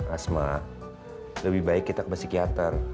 asma lebih baik kita ke psikiater